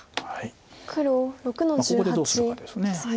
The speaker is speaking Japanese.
黒６の十八ツギ。